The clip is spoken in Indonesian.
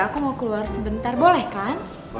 aku mau keluar sebentar boleh kan